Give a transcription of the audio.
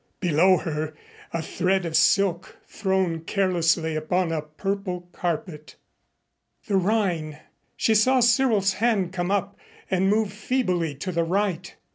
Below her a thread of silk, thrown carelessly upon a purple carpet. The Rhine! She saw Cyril's hand come up and move feebly to the right.